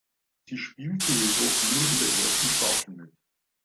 Sie spielte jedoch nur in der ersten Staffel mit.